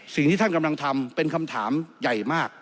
สิ่งที่ท่านกำลังทำเป็นคำถามใหญ่มาก